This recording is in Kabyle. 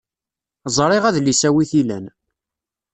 Ẓriɣ adlis-a wi t-ilan.